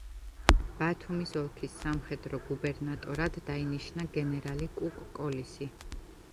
ბათუმის ოლქის სამხედრო გუბერნატორად დაინიშნა გენერალი კუკ-კოლისი.